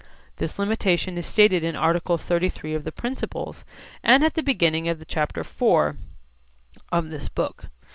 This limitation is stated in article 33 of the Principles and at the beginning of Chapter IV (p. 74) of this book.